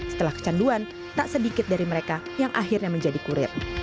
setelah kecanduan tak sedikit dari mereka yang akhirnya menjadi kurir